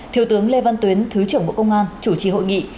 thiếu tướng lê văn tuyến thứ trưởng bộ công an chủ trì hội nghị